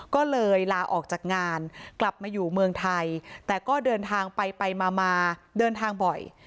ก็เลยลาออกจากงานกลับมาอยู่เมืองไทยแต่ก็เดินทางไปไปมามาเดินทางบ่อย